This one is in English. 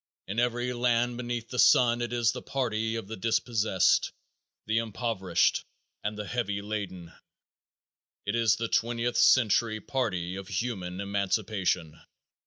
In every land beneath the sun it is the party of the dispossessed, the impoverished and the heavy laden. It is the twentieth century party of human emancipation.